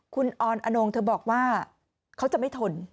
คุณออนอนงเธอบอกว่าเขาจะไม่ทน